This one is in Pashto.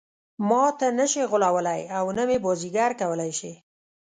ماته نه شي غولولای او نه مې بازيګر کولای شي.